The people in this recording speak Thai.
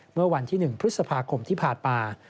เมื่อวันที่๑พฤษภาคมที่ผ่านมา